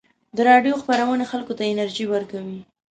د راډیو خپرونې خلکو ته انرژي ورکوي.